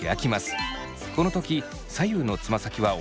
この時左右のつま先は同じ方向に。